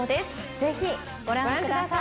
ぜひ！ご覧ください。